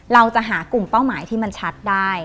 เราจะหากลุ่มเป้าหมายที่มันชัดได้